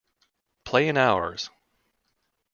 Play in ours.